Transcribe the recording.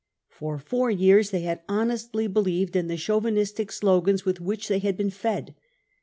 For four yeafs they had honestly believed in the chauvinist slogans with which they had been fed.